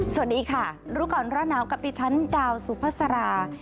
สวัสดีค่ะรูกรรณ์ระนาวกับพี่ฉันดาวสุภสรา